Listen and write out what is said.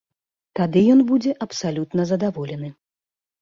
Тады ён будзе абсалютна задаволены.